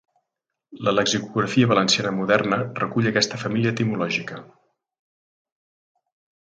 La lexicografia valenciana moderna recull aquesta família etimològica.